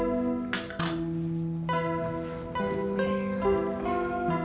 aku kira aja aku kepengen pola